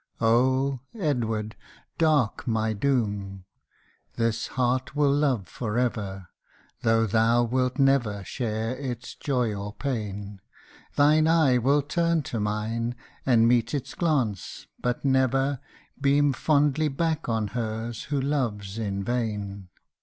Olj, Edward ! dark my doom ! this heart will love for ever, Though thou wilt never share its joy or pain, Thine eye will turn to mine, and meet its glance, but never *Beim fondlv tyack on hers" who loves in vain.